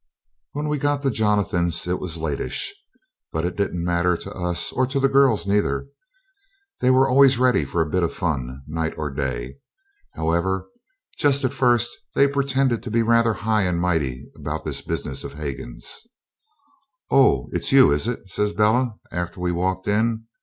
When we got to Jonathan's it was latish, but that didn't matter to us or to the girls neither; they were always ready for a bit of fun, night or day. However, just at first they pretended to be rather high and mighty about this business of Hagan's. 'Oh! it's you, is it?' says Bella, after we walked in.